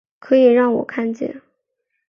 可以让我看见